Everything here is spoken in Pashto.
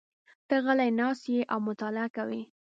ته غلی ناست یې او مطالعه کوې.